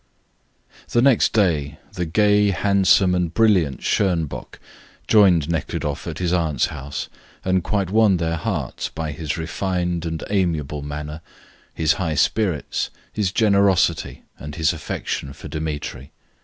The next day the gay, handsome, and brilliant Schonbock joined Nekhludoff at his aunts' house, and quite won their hearts by his refined and amiable manner, his high spirits, his generosity, and his affection for Dmitri.